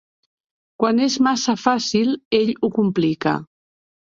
Quan és massa fàcil, ell ho complica.